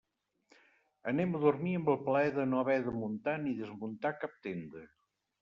Anem a dormir amb el plaer de no haver de muntar ni desmuntar cap tenda.